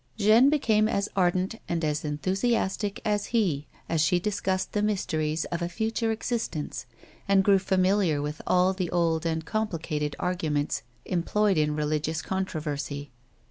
Jeanne became as ardent and as enthusiastic as he as she discussed the mysteries of a future existence, and grew familiar with all the old and complicated arguments em ployed in religious controversy.